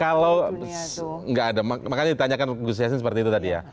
kalau nggak ada makanya ditanyakan gus yasin seperti itu tadi ya